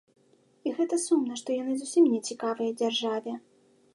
І гэта сумна, што яны зусім не цікавыя дзяржаве.